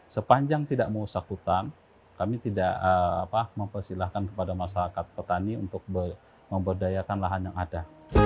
sepanjang tidak merusak hutang kami tidak mempersilahkan kepada masyarakat petani untuk memberdayakan lahan yang ada